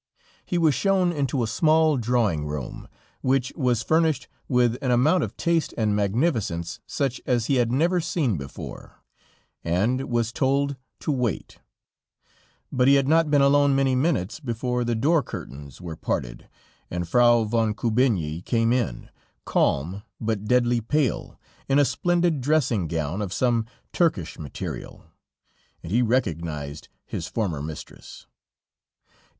He was shown into a small drawing room, which was furnished with an amount of taste and magnificence such as he had never seen before, and was told to wait. But he had not been alone many minutes, before the door curtains were parted and Frau von Kubinyi came in, calm but deadly pale, in a splendid dressing gown of some Turkish material, and he recognized his former mistress.